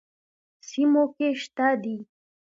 سیموکې شته دي.